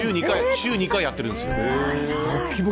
週２回やってるんですよ。